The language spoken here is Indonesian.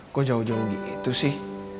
kok jauh jauh gitu sih